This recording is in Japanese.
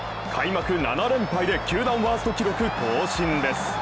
開幕７連敗で球団ワースト記録更新です。